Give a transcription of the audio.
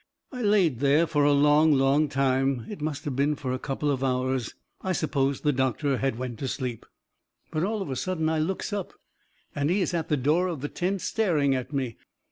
I laid there fur a long, long time; it must of been fur a couple of hours. I supposed the doctor had went to sleep. But all of a sudden I looks up, and he is in the door of the tent staring at me.